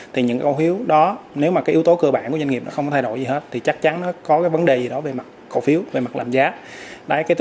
thì những cái ô hiếu đó nếu mà cái yếu tố cơ bản của doanh nghiệp nó không có thay đổi gì hết thì chắc chắn nó có cái vấn đề gì đó về mặt cổ phiếu về mặt làm giá